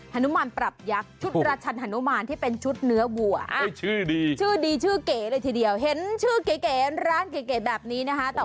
ฮนุมานปรับยักษ์ชุดราชันฮานุมานที่เป็นชุดเนื้อวัวชื่อดีชื่อดีชื่อเก๋เลยทีเดียวเห็นชื่อเก๋ร้านเก๋แบบนี้นะคะ